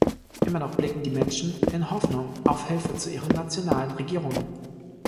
Immer noch blicken die Menschen in Hoffnung auf Hilfe zu ihren nationalen Regierungen.